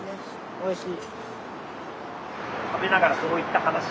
おいしい。